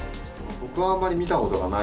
僕はあまり見たことがない